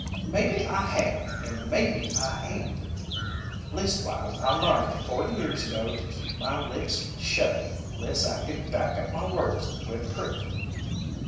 "Maybe I have an' maybe I han't! Leastwise, I larned forty years ago to keep my lips shut less I could back up my words with proof."